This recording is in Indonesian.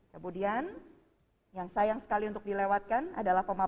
kemudian yang sayang sekali untuk dilewatkan adalah pemahaman